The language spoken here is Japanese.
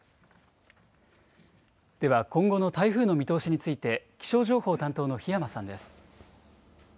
では今後の台風の見通しについて、気象情報担当の檜山さんです。